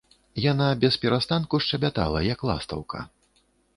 Яна бесперастанку шчабятала, як ластаўка.